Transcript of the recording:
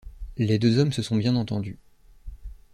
Les deux hommes se sont bien entendus.